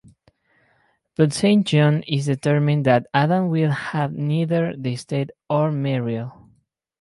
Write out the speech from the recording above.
But Saint John is determined that Adam will have neither the estate or Meriel.